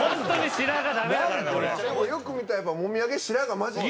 よく見たらやっぱりもみ上げ白髪交じって。